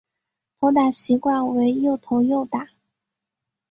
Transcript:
投打习惯为右投右打。